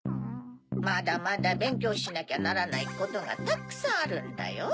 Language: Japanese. まだまだべんきょうしなきゃならないことがたくさんあるんだよ。